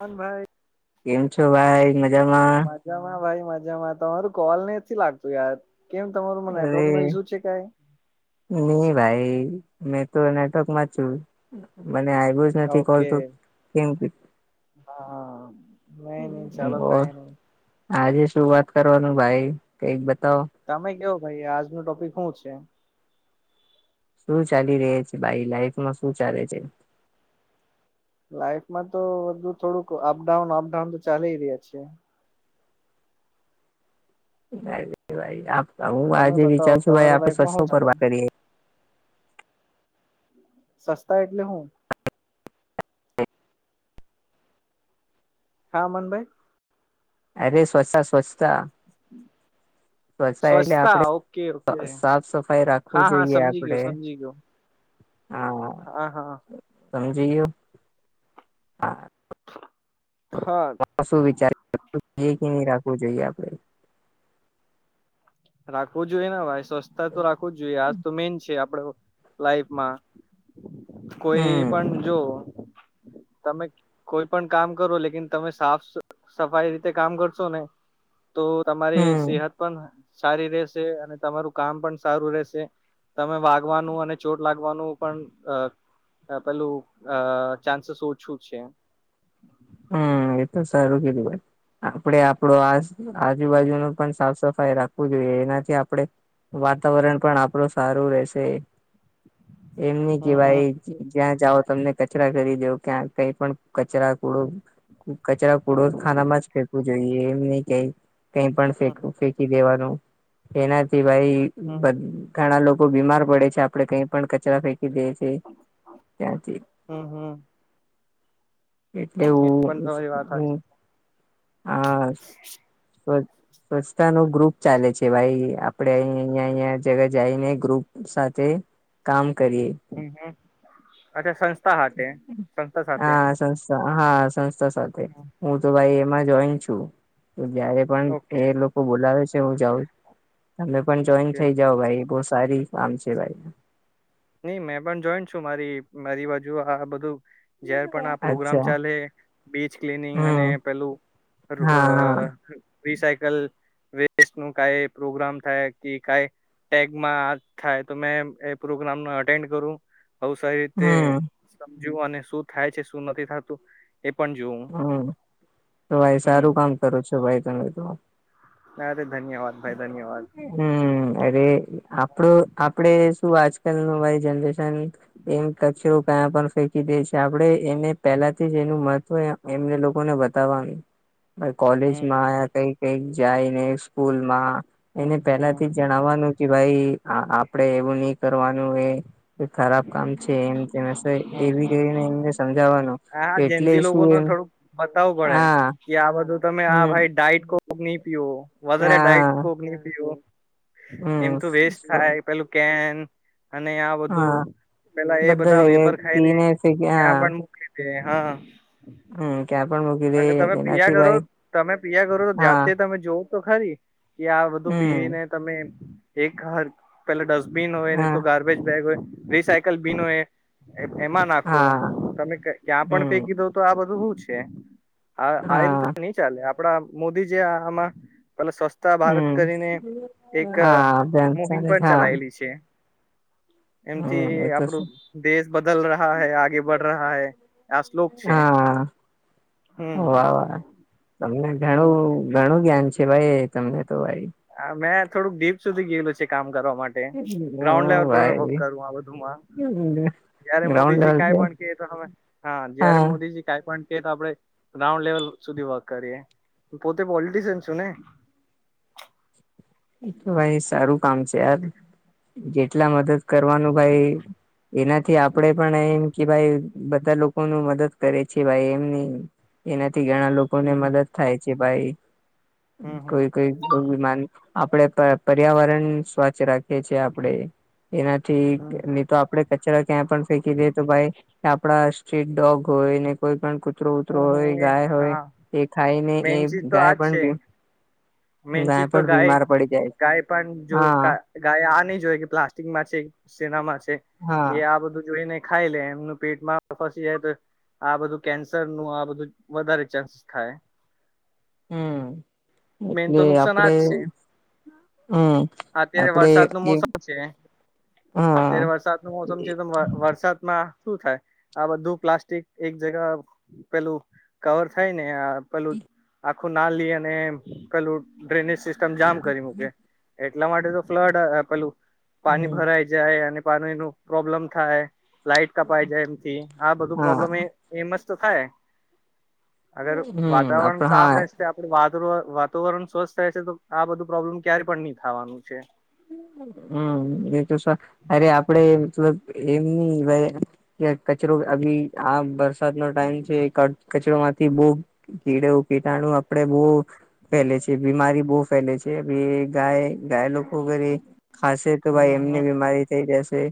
હન ભાઈ કેમ છો ભાઈ મજામાં મજામાં ભાઈ મજામાં તમારું કોલ ને લાગતું યાર કેમ તમારું મને રોગ અરે ન ઇસુ છે કઈ નહી ભાઈ મેં તો નેટવર્ક માં જ છું મને એ જ નથી કોલ ઓકે તો કેમ હા નહી નહી ચાલો કઈ નહી આજે શું વાત કરવાનું ભાઈ કઈક બતાવો તમે કેવો ભાઈ આજ ન ટોપિક શું છે શું ચાલી ર છે ભાઈ લાઈફમાં શું ચાલે છે લાઈફમાં તો બધું થોડુંક અપડાઉન અપડાઉન તો ચાલી રહ્યા છે ભ હું તમે આજે બતાવો વિચાર છું ભાઈ તમારા આપડે લાઈફમાં સ્વચ્છો શું પર ચાલે કરીએ સસ્તા એટલે હું હા મનભાઈ [inaudible] અરે સ્વચ્છ સ્વચ્છતા સ્વછાય એટલે સ્વચ્છતા આપણે ઓકે ઓકે સાફ સફાઈ હા રાખવું હા જોઈએ સમજી ગયો આપડે સમજી ગયો હા [inaudible] હા હા સમજીું હા હ શું વિચારી જોઈએ કે નહી રાખવું જોઈએ આપડે રાખવું જોઈએને ભાઈ સ્વચછતા તો રાખવું જ જોઈએ આજ તો મેન છે આપડ લાઈફમાં કોઈ હમ પણ જો તમે કોઈ પણ કામ કરો લેકન તમે સાફ સફાઈ રીતે કામ કરશો ને તો તમારી હમ સેહત પણ સારી રેશે અને તમારું કામ પણ સારું રહેશે. તમે વાગવાનું અને ચોટ લાગવાનું પણ પેલું અ ચાન્સીસ ઓછું છે હમ એ તો સારું કેીધુંાઈ આપડે આપડો આ હમ આજુબાજુ ન પણ સાફ સફાઈ રાખવું જોઈએ એનાથી આપડણે વાતાવરણ પણ આપણું સારું રહેશે એમ નહી કે હમ ભાઈ હમ જ્યાં જાઓ તમને કચરા કરી દવ ક્યાં કઈ પણ કચરા થોડો કચરા પૂડો ખાનામાં જ ફેંકવું જોઈએ એમ નહી કય કઈ પણ ફેક ફેંકી દેવાનું એનાથી ભાઈ હમ ઘણા લોકો બીમાર પડે છે આપડે કઈ પણ કચરા ફેંકી દે છે ત્યાંથી હમ હમ એટલે પણ હું તમારી વાત સાચી હમ હા [inaudible] નો ગ્રુપ ચાલે છે ભાઈ આપડે અહી અહંયા અહં જગા જઈને ગ્રુપ સાથે કામ કરીએ હમ હમ અચ્છા સંસ્થા સાથે સંસ્થા સાથે હા સંસ્થા હા સંસ્થા સાથે હું તો ભાઈ એમાં જોઈન છું જ પણ ઓકે એ લોકો બોલાવે છે હું જાઉં તમે પણ જોઈન ઓકે થઈ જાાવ ભાઈ બહ સારી આમ છે ભાઈ નઈ મેં પણ જોઈન્ટ છું મારી મારી બાજુ આ બધું જયારે પણ આ પ્રોગ્રામ અચ્છા ચાલે બીચ ક્લીનિંગ અને હમ પેલું હા હા રિસાયકલ વેસ્ટ નું કઈ પ્રોગ્રામ થાય કે કઈ ટેગમાં થાય તો મે એ પ્રોગ્રામ અટેન્ડ કરું બ સારી રીતે. હમ સમજ્યું અને શું થાય છે શું નથી થતું. એ પણ જોું હમ તો ભાઈ સારું કામ કરું છો ભાઈ તમે તો અારે ધન્યવાદ ભાઈ ધન્યવાદ હમ અરે હમ આપડું આપડે શું આજકાલ ન અરી જનરેશન એમ કચરો કયા પણ ફેંકી દે છે આપડે એને પેલાથી જ એનું મહત્વ એમને લોકોને બતાવાનું કોલેજ હમ માં આવયા કઈ કઈક જાય ને સ્કૂલમાં એને હમ પેલા હમ થી જ જણાવવાનું કે ભાઈ આપડે એવું ન કરવાનું એ ખરાબ કામ છે એમ હમ એવી હમ કરીને એમને સમજાવવાનું હા એટલે જેન્ઝી શું લોકોને એમ થોડુંક બતાવવું પડે હા કે આ બધું તમે આ હમ ભાઈ ડઇટ કોક નહી પીવો વધારે ડઇટ હા કોક નહી પીવ એમ હમ તો વેસ્ટ થાય પેલું કેન અને આ હા બધું પેલા એ બધા જગ્યાએ વેફર ખાઈ ને પીને ત્યાં પણ મોકલી દે હા હા ક્યાં પણ મૂકી દે અગર તમે પિયા એનાથી કરો ભાઈ તમે પિયા કરો તો હા જાતે તમે જો તો ખરી કે આ બધું હમ પીવીને તમે એક પેલા ડસ્ટબિન હોય નહી હા તો ગાર્બેજ બેગ હોય રિસાયકલ બીન હોય. એમાં નાખો હા તમે ક્યાં પણ હમ ફેંકી દો તો આ બધું શું છે. હ આવી રીતે હા નઈ ચાલે આપડા મોદી જે આમાં પેલા સસ્ તા ભારત હમ કરીને એક હા બેન મુહિમ ચાલે પણ હા ચલાયલી છે. હમ એ એમથી તો આપણું દેશ બદલ રહ્યા હૈ આગે બડ રહ હૈ આ શ્લોક છે. હા વાહ હું. વાહ તમને ઘણું ઘણું જ્ઞાન છે, ભાઈ તમને તો ભાઈ મેં થોડુંક ડીપ સુધી ગયેલું છે, કામ કરવા માટે ગ્રાઉન્ડ લેવલ પર વક કરું બધુંમાં. હમ જયારે મોદીજી કઈ પણ ક તોમે હા જયારે મોદીજી કઈ પણ એ આપે ગ્રાઉન્ડ લેવલ સુધી વર્ક કરીએ પોતે પોલિટશિયન છું ને એ તો ભાઈ સારું કામ છે યાર જેટલા મદદ કરવાનું ભાઈ એનાથી આપડે પણ એમ કે ભાઈ બધા લોકો ન મદદ કરે છે ભાઈ એમની એનાથી ઘણા લોકોને હમ મદદ થાય છે ભાઈ હમ હમ કોઈ કોઈ બીમાન આપણે પર્યાવરણ સ્વચ્છ રાખીએ છીએ આપણેે એનાથી હમ નહી તો આપણે કચરા ક્યાં પણ ફેંકી દે તો ભાઈ આપડા સ્ટ્રીટ ડોગ હોયને કોઈ પણ કુતરો કૂતરો હમ હોય હમ એ ગાય હોય હા એ ખાઈને એ મેન ગાય પણ મેનચ તો પણ ગાય બીમાર પડી જાય ગાય પણ જો હા ગાય આ નહી જોય કે પ્લાસ્ટિકમાં છે સેના માં છે હા એ આ બધું જોઈ ને ખાઈ લે એમનું પેટમાં ફસી જાય તો આ બધું કેન્સર નું આ બધું વધારે ચાન્સીસ થાય. હું મેન એટલે તો નુકસાન આપડે આજ છે હું. અત્યારે વરસાદનું મોસમ છે. હા અત્યારે વરસાદ નું મોસમ છે, તો વરસાદમાં શું થાય આ બધું પ્લાસ્ટિક એક જગા. પેલું કવર થાય નેઆ પેલું. આખું નાલે અને પેલું ડ્રેનેજ સિસ. જામ કરી મૂકે એટલા માટે તો ફ્લડ પેલું પાણી હમ ભરાય. જાય અને પાણીનું પ્રોબ્લમ થાય, લાઈટ કપાઈ જાય એમથી આ બધું હા પ્રોબ્લેમ એ એેમ સતો ખાય અગર હમ આપ વાતાવરણ સાફ હા રહે આપ. વા વાતાવરણ સ્વસ્થ થાય છે, તો આ બધું પ્રોબ્લેમ ક્યારે પણ નહી થવાનું છે. હું એતો અરે આપડે મતલબ એમની, કચરો આમ વરસાદ નો ટાઈમ છે, કચરોમાંથી બોવ કીડવ કીટાણું આપ. આપડે બહુ ફેલે છે, બીમારી બહુ ફેલે છે, ગ ગાય. તો વરી ખાસ તો હમ ભાઈ એમની હમ બીમારી થઈ જશે,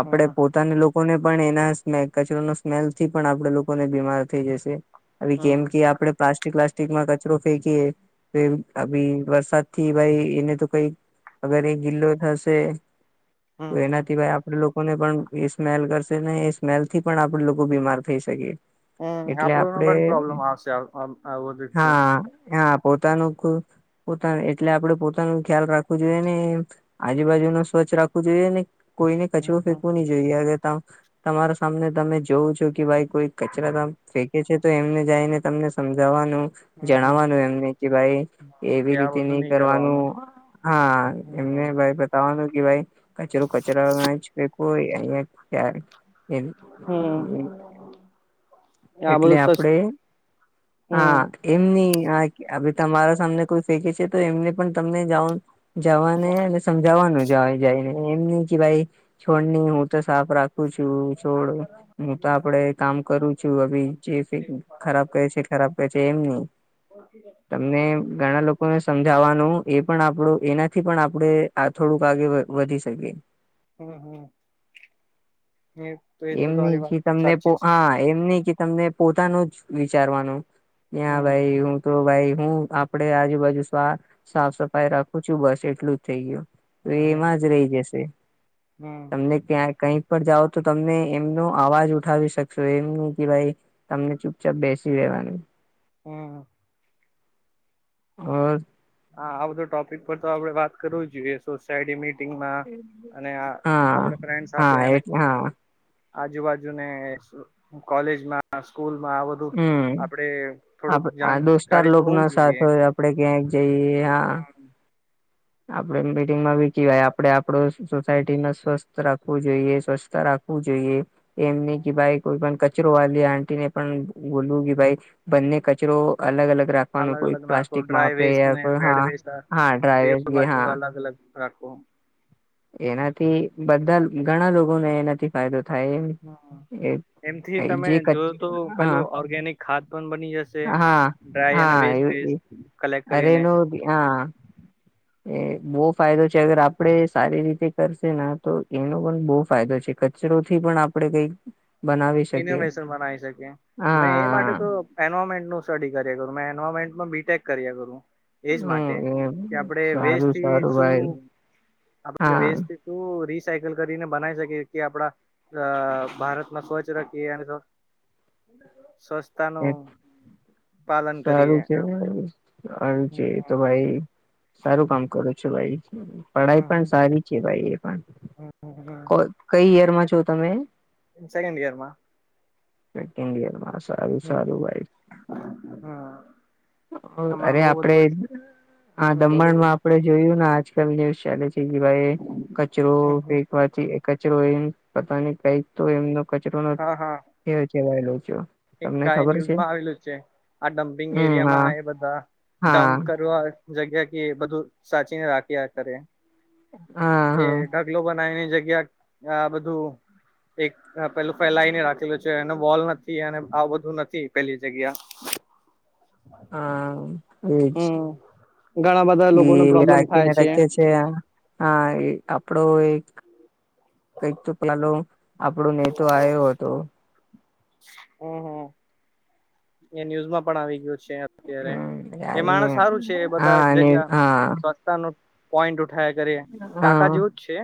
આપડે હમ પોતાને લોક. લોકોને પણ એના કચરો ન સ્મેલ થી પણ આપણે લોકોને બીમાર થઈ જશે. આવી હમ કેમ કે આપણે પ્લાસ્ટિક વ્લાસ્ટિકમાં કચરો ફેંકીએ. તેમ અભી વરસાદથી ભાઈ એને તો કંઈ. અગર એ ગિલ્લો થશે, તો હમ હમ એનાથી ભાઈ આપ. લોકોને પણ સ્મેલ કરશે ને એ સ્મેલ થી પણ આપણે લોકો બીમાર થઈ શકીએ. હું એટલે આપડો ન આપડે પણ પ્રોબ્લેમ આવશે વધુથી, હા હા, પોતાનું પોતાનું એટલે આપડે પોતાનું ખ્યાલ રાખો. જોઈએ ને આજુબાજુ ન સ્વચ્છ રાખવું જોઈએ, ને કોઈને હમ કચરો હમ ફેકવું નહીએ. જોઈકે ત તમારા સામને તમે જોવં છો કે ભાઈ કોઈ કચરા તમ ફેંકે છે. જે તો એમને જઈને ટેમને સમજાવવાનું. હમ હમ જણવાનું એમને કે ભાઈ કે એવી આ રીતે બધું નઈ નહી કરવાનું, હા, એમને હમ ભાઈ બતાવવાનું કે ભાઈ કચરો કચરા ફેંકવો. કોઈ અહીંયાથી, આ એટલે બધું સસ્ આપડે હા, હમ એમની તમારા સામને કોઈ ફેંકે છે, તો એમને પણ તમને જાઓ. જવાને અને સમજાવવાનું જ જાયને એમ નહીં કે ભાઈ છોડની હું તો સાફ રાખું. હું છુંય છોડ હું તો આપડે કામ કરું છું, જે ખરાબ કરૅ છે ખરાબ કરૅ છે એમ નહી [unintelligible] એને ઘણા લોકોને સમજાવાનું એ પણ આપણું એનાથી પણ આપણેે આ થોડુંક આગે વધી શકીએ હમ હમ એ તો એ તો તમારી વાત સાચી જ છે એમ નહીં કે તમને પોતાનું જ વિચારવાનું કે હમ ભાઈ હું. તો ભાઈ હું આપડે આજુબાજુ સાફ સફાઈ રાખું છું, બસ એટલું જ થઇ ગયું. તો હમ હમ એમાંજ રહી જશે હમ તમને ક્યાંક. કંઈ પણ જાઓ તો તમને એમનો અવાજ ઉઠાવી શકશો એમનું કે ભાઈ તમને ચુપચાપ બેસી રહેેવાની. હા, અ હા, આ બધો ટોપિક પર તો આપડે વાત કરવું જ જોઈએ. સોસાયટી મિટીગમાં અને આપ હા ફ્રેન્ડ સાથે હા એ અને. હા આજુબાજુને કોલેજમાં સ્કૂલમાં આવે. તો હમ આપડે થોડુંક આ દોસ્તાર જાણકારી તો લોકો હોવું ના જોઈએ. સાથે આપડે ક્યાંક જઈએ, હ આપડે મીટિંગમાં બી બેસી ગયા, આપડે આપડું સોસાયટીને સ્વસ્થ રાખવું જોઈએ, સ્વસ્થ રાખવું જોઈએ, એમ ન ભાઈ કોઈપણ કચરો વાલી આટીને પણ બોલ્યું ભાઈ બંને કચરો અલગ અલગ રાખ આપવા કોઈ અલગ નાખો પ્લાસ્ટિક ડ્રાય માપે વેસ્ટ યા ને કોઈ વેડ હા વેસ્ટ હા બે ડ્રાયવે બાજુ અલગ અલગ રાખવું એનાથી બધા ઘણા લોકોને એનાથી ફાયદો થાય એમ હ એમથી એ તમે જે જોય કચ તો હા પેલું ઓર્ગેનિક ખાદ પણ બની જશે હા ડ્રાય અને વેસ્ટ હા એ વેસ્ટ ક્લેકટ અરે કરીને એનો હા એ બહુ ફાયદો છે અગર આપણે સારી રીતે કરશે તો એનો પણ બહુ ફાયદો છે કચરોથી પણ આપણેે કઈ એ વ્યસન બનાવી શકીએ મેં એ માટે હા તો એન્વાયરમેન્ટ નું સ્ટડી કર્યા કરું. મેં એન્વાયરમેન્ટમાં બીટેક કર્યા કરું. એજ માટે હમ એ કે આપણે સારું વેજથી સારું શું ભાઈ આપણે હા વેજથી તો રિસાઈકલ કરીને બનાવી શકીએ કે આપડા અ ભારતમાં સ્વચ્છ રખીએ એને તો, સ્વચ્છ તાનો એ પાલન કરીએ. [inaudible] આવું છે તો ભાઈ સારું કામ કરો છો ભાઈ. પડાઈ પણ સારી છે ભાઈ એ પણ. ક કઈ યરમાં છો તમે? સેકન્ડ યરમાં. સેકન્ડ યરમાં સારું. સારું ભાઈ હમ હહ અરે આપડે હમ હા હમ બોલો દમણમાં બોલો આપડે જોયું ને આજકલ ન્યુઝ ચાલે છે. કે ભાઈ કચરો હમ હમ ફેકવાથી કચરો એ પતા નહીં કઈક તો એમનું કચરો નથ હા હા એ ચવાયેલો છે. એક તમને આએ ખબર છે ન્યૂઝમાં આવેલું છે. આડમ રિંગ હમ હા એરિયામાં એ બધાં હા ડમ્પ કરવા જગ્યા કે ઈ બધું સાચી ને રાખ્યા કરે. હા હહ એ ઢગલો બનાઈ ને જગ્યા આ બધું એક પેલું ફેલાઈને રાખેલું છે એને વોલ નથી અને આવું બધું નથી પેલી જગ્યા. હા ઈજ હમ ઘણા બધા એ લોકોને પ્રોબ્લેમ થાય રાખીને રાખીએ છે. એ હા એ આપડો એક કંઈક તો પ્યાલો આપણો નેતો આયો હતો. હહ હહ એ ન્યૂઝમાં પણ આવી ગયો છે. અત્યારે હમ એ આવીને માણસ હારું છે એ બધા હા અને જગ્યા હા સ્વચ્છતાનું પોઈન્ટ ઉઠ થયા કરીએ કાકા હા જેવું જ છે.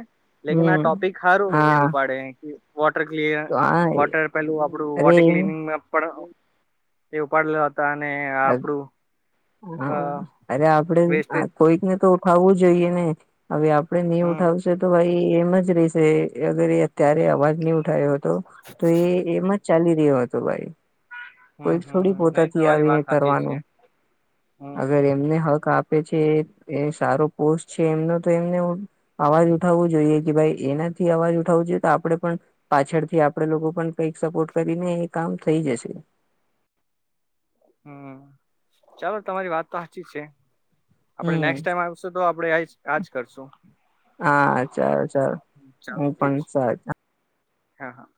લેકીન આ હમ ટોપિક હારું હા એવું પાડે અહીંથી. વોટર ક્લિયર તો આ વોટર પેલું આપડું વોટ માં પણ તે ઉપાડેલા હતા અને અરે આપણું હા અરે આપડે વેસ્ટેજ કોઈક ને તો ઉઠાવવું જોઈએ ને. હવે આપડે ની હમ ઉઠાવશે તો ભાઈ એમ જ રેશે અગર એ અત્યારે અવાજ નહી ઉઠાયો. તો તો એ એમજ ચાલી રહ્યો હતો ભાઈ. હમ કોઈક હમ થોડી નહી પોતાથી તમારી આવીને વાત સાચી છે કરવાનું. હમ અગર એમને હક આપ આપે છે. એ સારો પોસ્ટ છે એમનો તો એમને આવાજ ઉઠાવવું જોઈએ કે ભાઈ એનાથી અવાજ ઉઠાવવો જોઈએ તો આપણે પણ પાછળથી આપડે લોકો પણ કંઈક સપોર્ટ કરીને એ કામ થઈ જશે. હમ ચાલો તમારી વાત તો હાચી છે. આપણે હમ નેક્સ્ટ ટાઈમ આવશું તો આપડે આઈસ આજ કરશું. હા ચાલો ચાલો ચાલો હું ઠીક પણ છે સા હા હા